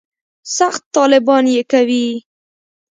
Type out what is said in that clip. سخت طالبان یې کوي.